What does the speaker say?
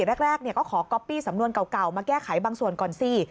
แรกก็ขอก๊อปปี้สำนวนเก่ามาแก้ไขบางส่วนก่อนสิ